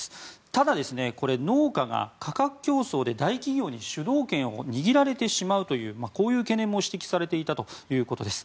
ただ、農家が価格競争で大企業に主導権を握られてしまうという懸念も指摘されていたということです。